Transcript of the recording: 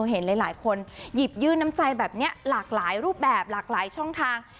เห็นหลายคนหยิบยื่นน้ำใจแบบนี้หลากหลายรูปแบบหลากหลายช่องทาง